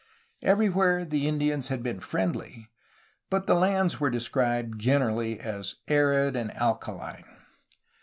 Everywhere the Indians had been friendly, but the lands were described generally as arid and alkaline.